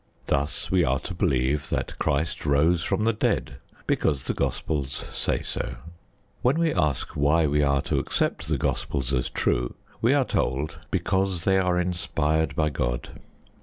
Thus we are to believe that Christ rose from the dead because the Gospels say so. When we ask why we are to accept the Gospels as true, we are told because they are inspired by God.